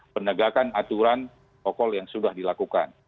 penegakan aturan pokok yang sudah dilakukan